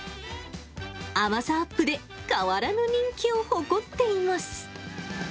甘さアップで変わらぬ人気を誇っています。